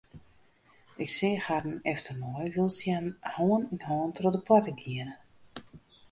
Ik seach harren efternei wylst hja hân yn hân troch de poarte giene.